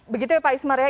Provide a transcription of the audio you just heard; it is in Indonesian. begitu ya pak ismar ya